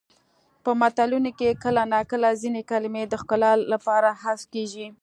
په متلونو کې کله ناکله ځینې کلمې د ښکلا لپاره حذف کیږي